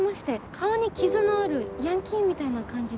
顔に傷のあるヤンキーみたいな感じで。